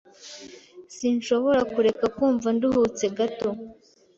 Sinshobora kureka kumva nduhutse gato.